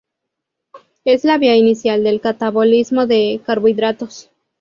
Es la vía inicial del catabolismo de carbohidratos.